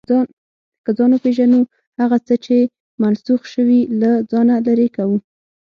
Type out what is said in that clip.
که ځان وپېژنو، هغه څه چې منسوخ شوي، له ځانه لرې کوو.